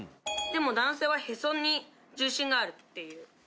でも男性はヘソに重心があるっていう。